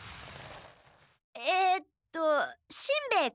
えとしんべヱ君？